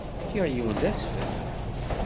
Fkiɣ yiwen d asfel.